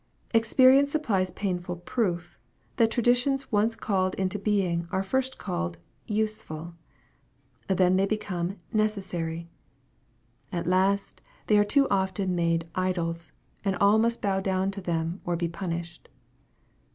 Experience supplies painful proof, that traditions once called into being are first called useful. Then they become necessary. At last they are too often made idols, and all must bow down to them, cr be punished.